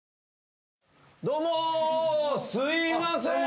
どうもすいません。